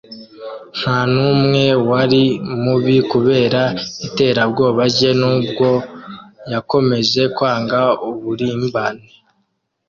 ntanumwe wari mubi kubera iterabwoba rye, nubwo yakomeje kwanga uburimbane